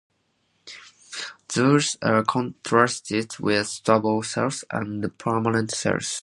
These are contrasted with "stable cells" and "permanent cells".